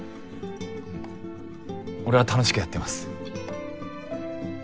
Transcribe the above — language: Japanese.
うん俺は楽しくやってます。